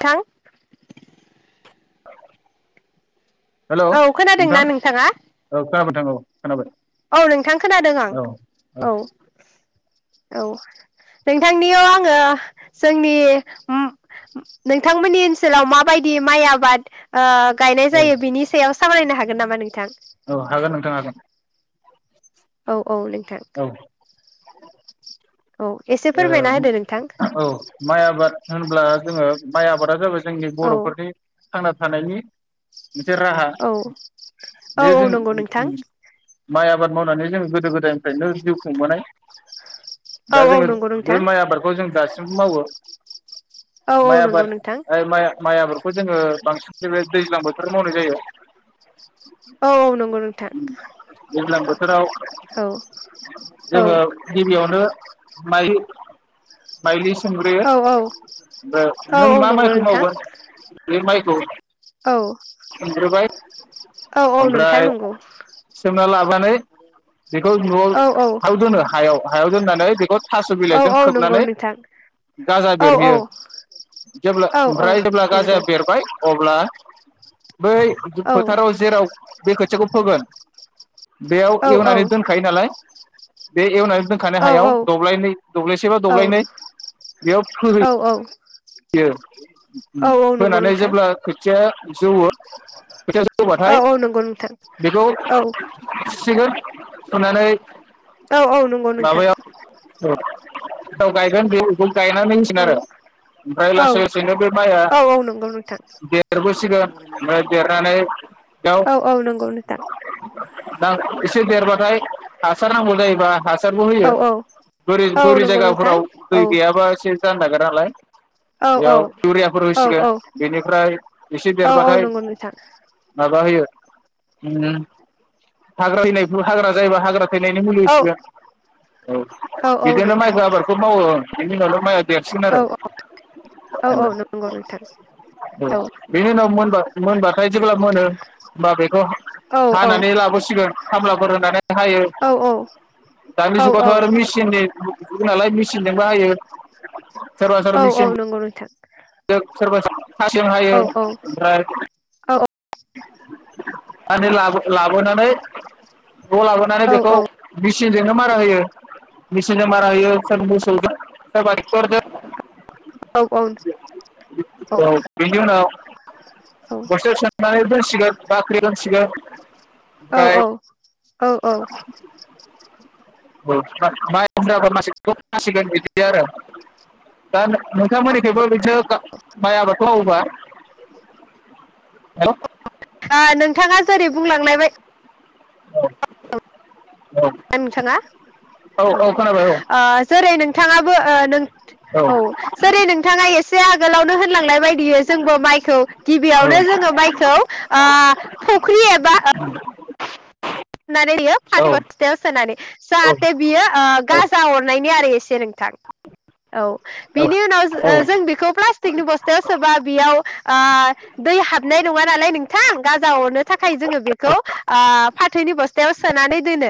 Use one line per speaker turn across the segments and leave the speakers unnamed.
थां।
[inaudible] हेल'
औ
नोंथां
खोनादोंना नोंथाङा?
औ खोनाबाय औ। खोनाबाय
औ नोंथां खोनादों आं
औ
औ। औ नोंथांनियाव आङो जोंनि नोंथांमोननि ओनसोलाव माबायदि माइ आबाद। गायनाय
औ
जायो बिनि सायाव सामलायनो हागोन नामा नोंथां?
औ हागोन नोंथां हागोन
औ। औ नोंथां।
औ
औ एसे फोरमायना होदो नोंथां
ओ औ माइ आबाद होनब्ला जोङो माइ आबादा जाबाय जोंनि
औ
बर'फोरनि थांना थानायनि मोनसे राहा
औ औ
बे जों
नंगौ नोंथां
माइ आबाद मावनानै जों गोदो गोदाय‌ निफ्रायनो जिउ खुंबोनाय।
औ
दा
औ
जोङो
नंगौ
बे
नोंथां
माइ आबादखौ जों दासिमबो मावो
औ औ
माइ
नंगौ
आबाद
नोंथां
ओ माइ माइ आबादखौ जोङो बांसिन बेबाय दैज्लां बोथोराव मावनाय जायो।
औ औ नंगौ नोंथां।
फोराव
औ। औ
जोङो गिबियावनो माइलि माइलि सोम सोमग्रोयो
औ
ओमफाय
औ
नों
औ
मा
नंगौ
माइखौ
नोंथां
मावगोन बे माइखौ
औ
सोमग्रोबाय
औ औ नोंथां
ओमफ्राय
नंगौ
सोमना लाब नानै बेखौ न'आव
औ औ
हायाव दोनो हायाव। हायाव दोन्नानै बेखौ थास' बिलाइजों
औ नंगौ
खोबनानै
नोंथां
गाजा
औ औ
बेरहोयो जेब्ला
औ
ओमफ्राय जेब्ला
नंगौ
गाजाया बेरबाय अब्ला बै
औ
फोथाराव जेराव बे खोथियाखौ फोगोन बेयाव
औ
एवनानै दोनखायो नालाय। बे एवनानै
औ
दोनखानाय हायाव दब्लायनै दब्लायसे बा दब्लायनै बेयाव
औ
फोहै बियो
औ औ नंगौ
फोनानै
नोंथां
जेब्ला खोथिया जौयो
औ औ नंगौ नोंथां औ।
फुसिगोन फुनानै
औ औ नंगौ नोंथां।
औ औ गायगोन बे [unintelligible] गायनानै दोनसिगोन
औ
आरो ओमफ्राय
औ
लासै लासैनो बे माइया
औ औ नंगौ नोंथां
देरबोसिगोन ओमफ्राय देरनानै दाव
औ औ नंगौ नोंथां
दा एसे देरबाथाय हासार नांगौ जायोबा हासारबो
औ
होयो बोरि
औ
बोरि
नंगौ नोंथां
जायगाफोराव
औ
दै गैयाबा एसे [unintelligible]
औ
बेयाव इउरियाफोर
औ
होसिगोन
औ
बेनिफ्राय एसे
औ औ
देरबाथाय
नंगौ नोंथां
माबा होयो‌ ओम हाग्रा हैनायखौ हाग्रा जायोबा हाग्रा थैनायनि
औ
मुलिसिगोन औ
औ
बिदिनो
नोंथां
माइखौ आबादखौ मावो। बेनि उनावनो माया देरसिगोन
औ
आरो
औ औ नंगौ नोंथां औ
उनाव मोनबा मोनबा ओमफ्राय जेब्ला मोनो होमबा बेखौ
औ
हानानै लाबोसिगोन खामलाफोर होनानै हायो
औ
दानि जुगावथ'
औ
आरो मेसिननि जुग नालाय मेचिनजोंबो हायो।
औ औ नंगौ नोंथां।
जों सोरबा खासिजों हायो ओमफ्राय लाबो लाबोनानै बे
औ
लाबोनानै बेखौ मेसिनजोंनो मारा होयो मेसिनजों मारा होयो सोर मोसौजों सोरबा टेक्टरजों।
औ
औ बेनि उनाव बसथाव सोनानै दोनसिगोन। बाख्रिआव दोंनसिगोन।
औ औ औ औ
माइ [unintelligible] बिदि आरो दा नोंथांमोनिथिंबो बिदिनो माइ आबाद खौ मावोब्ला हेलै
नोंथाङा जेरै बुंलांलायबाय
औ
नोंथाङा औ ओ जेरै नों बिथाङाबो ओ नों औ जेरै नोंथाङा एसे आगोलावनो होनलांनाय बियो जोंबो माइखौ
औ
गिबियावनो जोङो माइखौ आ फख्रि एबा नानै बियो
औ
फाथो बसथायाव नौनानै
औ
जाहाथे बियो
औ
गा जा अरनायनि आरो एसे नोंथां औ बिनि उनाव
औ औ
जों बेखौ प्ला टिकनि बस्थायाव सोरबा बेयाव आ दै हाबनाय नङा नालाय नोंथां गाजा अरनो थाखाय जोङो बेखौ आ फाथोनि बस्थायाव सोनानै दोनो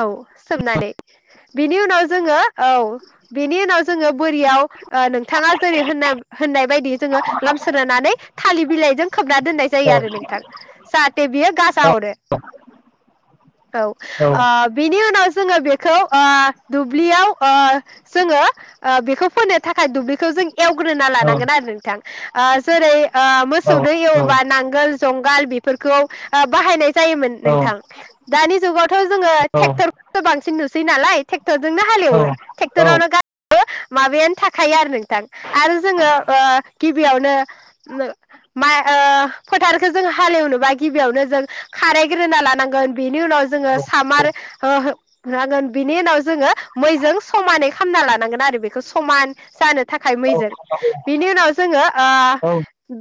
औ सोमनानै बिनि उनाव जोङो औ बिनि उनाव [inaudible] औ
औ
बिनि उनाव जोङो बेखौ ओ दुब्लियाव जोङो बेखौ फोनो थाखाय दुब्लिखौ जों एवग्रोना लानांगोन आरो नोंथां आ जेरै ओ मोसौदो एवोबा नांगोल संगाल बेफोरखौ बाहायनाय जायोमोन नोंथां दानि जुगावथ' जोङो ट्रेक्टरखौसो बांसिन नुसै नालाय टेक्टरनो हालेवो टेकटरावनो गा माबायानो थाखायो आरो नों थां आरो जोङो ओ गिबियावनो माइ ओ फोथारखौ जों हालेवनोबा गिबियावनो खारेकग्रोना लानांगोन बेनि उनाव जोङो सामार हो गोन बिनि उनाव जोङो मैजों समानै खालामना लानांगोन आरो बेखौ समान जानो थाखाय मैजों बिनि उनाव जोङो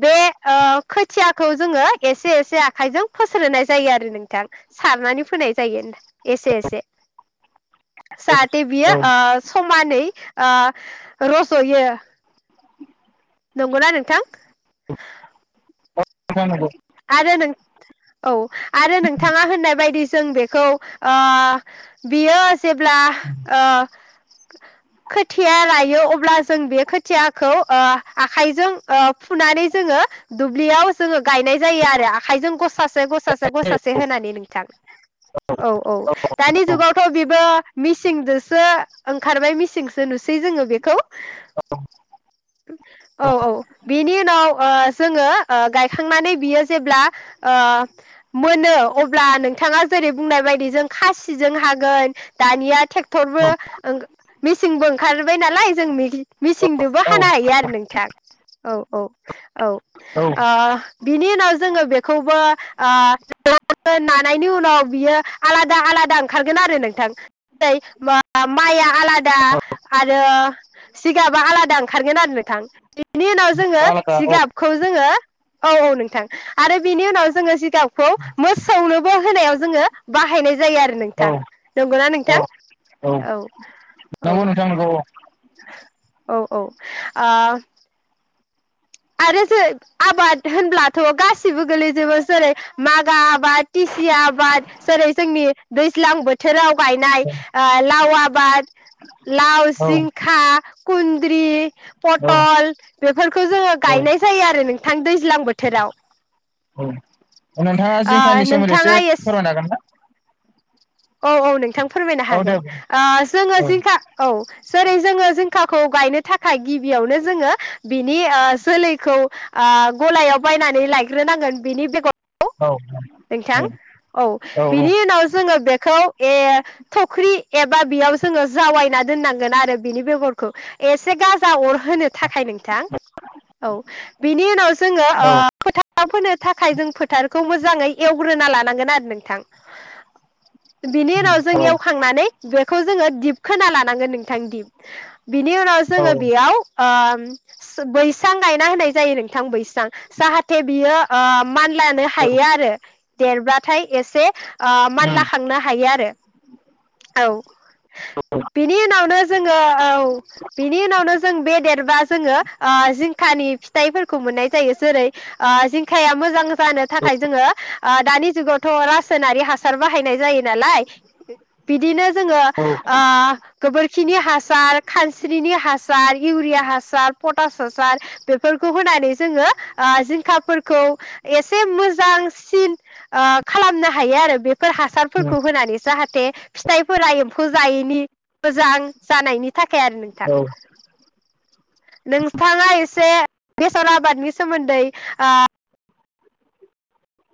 बे ओ खोथियाखौ जोङो एसे एसे आखाइजों फोस्रोनाय जायो आरो नोंथां सारनानै फोनाय जायो एसे एसे जाहाथे बियो ओ समानै आ रज'यो नंगौना नोंथां
[unintelligible]
आरो नों औ आरो नोंथाङा होननाय बायदि जों बेखौ ओ बियो जेब्ला ओ खोथिया लायो अब्ला जों बे खोथियाखौ आखाइजों ओ फुनानै जोङो दुब्लियाव जोङो गायनाय जायो आरो आखायजों गसा गसासे गसासे होनानै नोंथां औ-औ दानि जुगावथ' बेबो मिसिंजोंसो ओंखारबाय मिसिंसो नुसै जोङो बेखौ। औ-औ बेनि उनाव ओ जोङो गायखांनानै बियो जेब्ला ओ मोनो अब्ला नोंथाङा जेरै बुंनाय बायदि जों खासिजों हागोन दानिया ट्रेक्टरबो ओं मेचिंबो ओंखारबाय नालाय जों मिसिंनदोबो हा
औ
खाना हायो आरो नोंथां औ-औ-औ
औ
आ बिनि उनाव जोङो बेखौबो [inaudible] नानायनि उनाव बियो आलादा आलादा ओंखारगोन आरो नोंथां जेरै माइआ आलादा आरो सिगाबा आलादा खारगोन आरो नोंथां। बेनि उनाव जोङो
आलादा औ
सिगाबखौ जोङो औ औ नोंथां आरो बिनि उनाव जोङो जिगाबखौ मोसौनोबो होनायाव जोङो बाहायनाय जायो। आरो नोंथां
औ
नंगौना
औ
नोंथां?
औ नंगौ नोंथां नंगौ
औ-औ-औ-औ आ आरो जों आबाद होनब्लाथ' गासिबो गोलैजोबो जेरै मागा आबाद टिसि आबाद जेरै जोंनि दैज्लां बोथोराव गायनाय
औ
लाव आबाद लाव,
औ
जिंखा खुन्द्रि'
औ
पटल बेफोरखौ जोङो गायनाय जायो आरो नोंथां दैज्लां बोथोराव
औ नोंथाङा
ओ
जिंकानि सोमोन्दै
नोंथाङा
एसे फोरमायनो हागोन ना।
औ-औ नोंथां। फोरमायनो
औ दे
हागोन ओ जोङो
औ
जिंखा औ जेरै जोङो जिंखाखौ गायनो थाखाय गिबियावनो जोङो बिनि ओ जोलैखौ ओ गलायाव बायनानै लायग्रोनांगोन बेनि बेगर
औ
नोंथां औ बिनि उनाव जोङो बे खौ ए थख्रि एबा बेयाव जोङो जावायना दोननांगोन आरो बिनि बेगरखौ एसे गाजा अर होनो थाखाय नोंथां औ बिनि उनाव जोङो ओ फोथाराव फोनो थाखाय जों फोथारखौ मोजाङै एवग्रोना लानांगोन आरो नोंथां बिनि उनाव जों
औ
एवखांनानै बे खौ जोङो दिप खोना लानांगोन नोंथां दिप बिनि उनाव जोङो
औ
बेयाव ओ सो बैसां गायना होननाय जायो नोंथां बैसां जाहाथे बियो ओ मान लानो हायो आरो देरब्लाथाय एसे ओ मानला खांनो हायो आरो। औ बिनि उनावनो जोङो औ बिनि उनावनो जों बेदेरबा जोङो ओ जिंखानि फिथाइफोरखौ मोननाय जायो जेरै ओ जिंखाया मोजां जानो थाखाय जोङो। ओ दानि जुगावथ' रासायनारि हासार बाहायनाय जायो नालाय बिदिनो जोङो ओ गोबोर खिनि हासार खानस्रिनि हासार इउरिया हासार पटास हासार बेफोरखौ होनानै जोङो ओ जिंखाफोरखौ एसे मोजां सिन ओ खालामनो हायो आरो बेब फोर हासारफोरखौ होनानै जाहाथ थे फिथाइफोरा एम्फौ जायैनि मोजां जानायनि थाखाय आरो नोंथां
औ औ
नोंथाङा एसे बेसर आबादनि सोमोन्दै आ